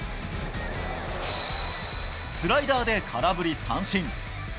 スライダーで空振り三振。